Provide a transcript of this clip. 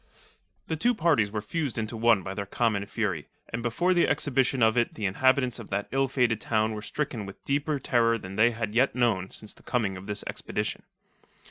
The two parties were fused into one by their common fury, and before the exhibition of it the inhabitants of that ill fated town were stricken with deeper terror than they had yet known since the coming of this expedition.